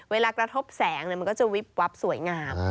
เวลากระทบแสงมันก็จะวิบวับสวยงาม